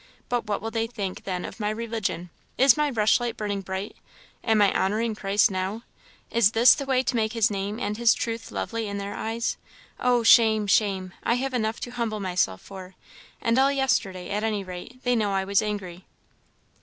But what will they think, then, of my religion? Is my rushlight burning bright? Am I honouring Christ now? Is this the way to make his name and his truth lovely in their eyes? Oh, shame! shame! I have enough to humble myself for. And all yesterday, at any rate, they know I was angry."